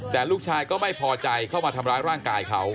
แต่ลูกชายก็ไม่พอใจเข้ามาทำร้ายร่างกายเขา